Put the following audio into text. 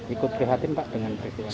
ikut prihatin pak dengan prihatin